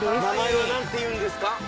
名前は何ていうんですか？